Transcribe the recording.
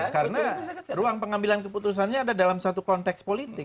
karena ruang pengambilan keputusannya ada dalam satu konteks politik